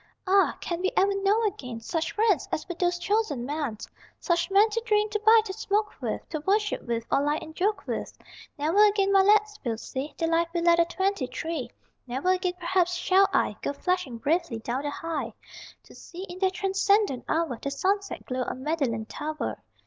Ah, can we ever know again Such friends as were those chosen men, Such men to drink, to bike, to smoke with, To worship with, or lie and joke with? Never again, my lads, we'll see The life we led at twenty three. Never again, perhaps, shall I Go flashing bravely down the High To see, in that transcendent hour, The sunset glow on Magdalen Tower.